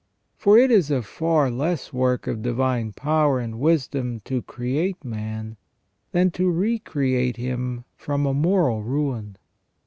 For it is a far less work of divine power and wisdom to create man than to recreate him from a moral ruin.